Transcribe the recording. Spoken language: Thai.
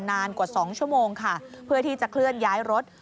นานกว่า๒ชั่วโมงค่ะเพื่อที่จะเคลื่อนย้ายรถ